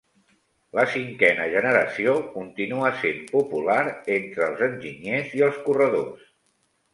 La cinquena generació continua sent popular entre els enginyers i els corredors.